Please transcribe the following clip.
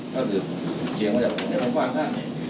ก็คือเชียงว่าอย่างไรมันคว้างข้าง